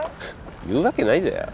言うわけないぜよ。